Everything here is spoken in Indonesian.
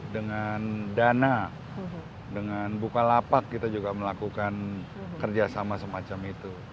dengan dana dengan bukalapak kita juga melakukan kerjasama semacam itu